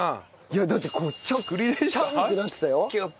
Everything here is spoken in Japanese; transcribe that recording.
いやだってこうチャンってなってたよ。